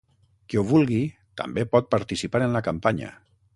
Qui ho vulgui, també pot participar en la campanya.